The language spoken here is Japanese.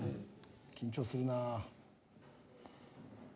緊張するなぁ。